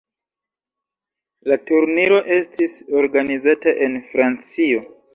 La turniro estis organizata en Francio.